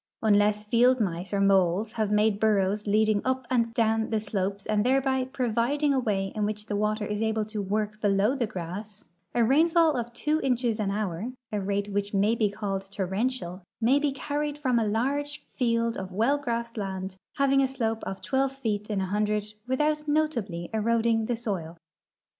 Unless field mice or moles have made burrows leading uj) and down the slopes and thereb}'' providing a way in which the water is able to work below the grass, a rainfall of two inches an hour, a rate which may be called torrential, ma}" be carried from a large field of well grassed land having a slope of twelve feet in a hundred without notably eroding the soil.